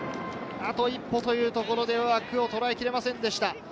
あと一歩というところでは枠をとらえ切れませんでした。